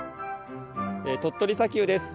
鳥取砂丘です。